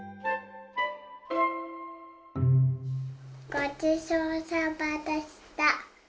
ごちそうさまでした。